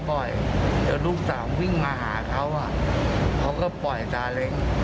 ผมก็จับมือเขาแบบให้ปล่อยแคลร์เล็ง